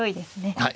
はい。